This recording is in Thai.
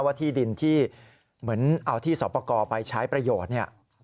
ที่ดินที่เหมือนเอาที่สอบประกอบไปใช้ประโยชน์เนี่ย